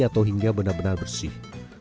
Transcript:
atau hingga benar benar bersih